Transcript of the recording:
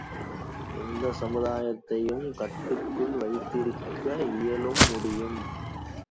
எந்தச் சமுதாயத்தையும் கட்டுக்குள் வைத்திருக்க இயலும் முடியும்!